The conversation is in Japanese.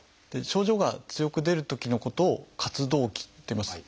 症状が強く出るときのことを「活動期」っていいます。